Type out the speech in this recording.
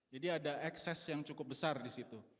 jadi ada excess yang cukup besar di situ